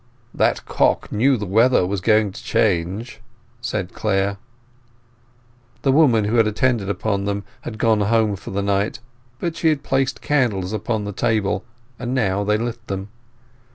"That cock knew the weather was going to change," said Clare. The woman who had attended upon them had gone home for the night, but she had placed candles upon the table, and now they lit them.